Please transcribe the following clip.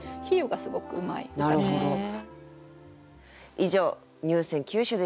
以上入選九首でした。